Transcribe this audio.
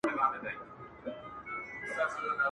• یوه نره غېږه ورکړه پر تندي باندي یې ښګل کړه,